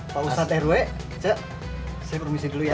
pak ustadz rw saya permisi dulu ya